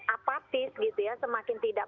apatis semakin tidak